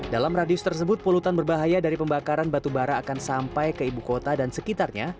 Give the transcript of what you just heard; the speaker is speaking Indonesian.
dalam radius tersebut polutan berbahaya dari pembakaran batu bara akan sampai ke ibu kota dan sekitarnya